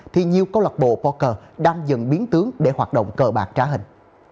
thì nhiều câu lạc bộ poker đang dần biến tướng để hoạt động cờ bạc trá hình